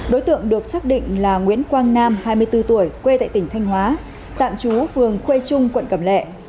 đối tượng được xác định là nguyễn quang nam hai mươi bốn tuổi quê tại tỉnh thanh hóa tạm trú phường khuê trung quận cẩm lệ